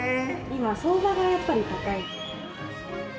今、相場がやっぱり高い。